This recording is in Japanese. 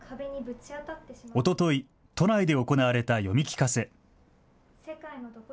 おととい都内で行われた読み聞かせ。